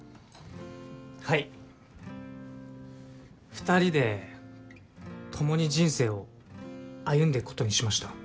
２人で共に人生を歩んでいくことにしました。